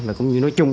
và cũng như nói chung